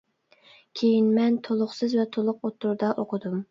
كېيىن مەن تولۇقسىز ۋە تولۇق ئوتتۇرىدا ئوقۇدۇم.